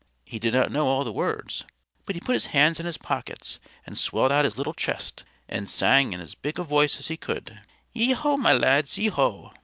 He did not know all the words, but he put his hands in his pockets and swelled out his little chest and sang in as big a voice as he could: "Yeo ho! my lads, yeo ho!"